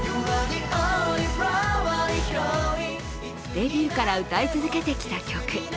デビューから歌い続けてきた曲。